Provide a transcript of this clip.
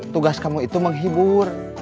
tugas kamu itu menghibur